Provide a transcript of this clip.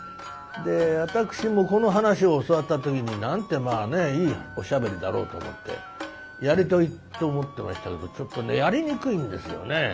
で私もこの噺を教わった時になんてまあねいいおしゃべりだろうと思ってやりたいと思ってましたけどちょっとねやりにくいんですよね。